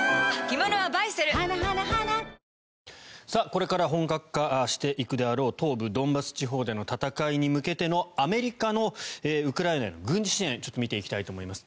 これから本格化していくであろう東部ドンバス地方での戦いに向けてのアメリカのウクライナへの軍事支援を見ていきたいと思います。